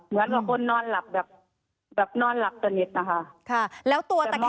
เหมือนกับคนนอนหลับแบบแบบนอนหลับตะนิดนะคะค่ะแล้วตัวตะแคมไหมคะ